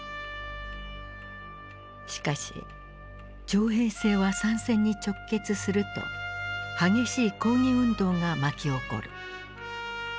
しかし徴兵制は参戦に直結すると激しい抗議運動が巻き起こる。